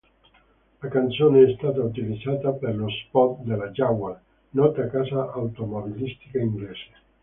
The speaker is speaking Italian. La canzone è stata utilizzata per lo spot della Jaguar, nota casa automobilistica inglese.